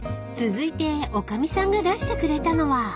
［続いて女将さんが出してくれたのは］